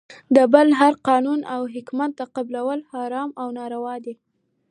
د بل هر قانون او حکومت قبلول حرام او ناروا دی .